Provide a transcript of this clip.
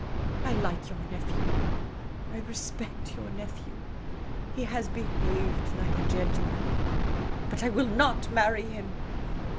I like 3'our nephew ; I respect your nephew ; he has behaved like a gentleman. But I will not marry him.